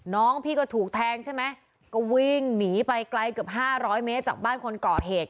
น้องพี่ก็ถูกแทงใช่ไหมก็วิ่งหนีไปไกลเกือบห้าร้อยเมตรจากบ้านคนก่อเหตุ